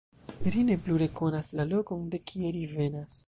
Ri ne plu rekonas la lokon, de kie ri venas.